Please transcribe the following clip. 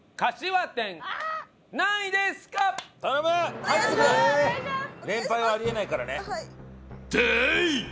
連敗はあり得ないからね。